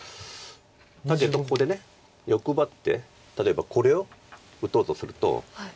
だけどここで欲張って例えばこれを打とうとすると。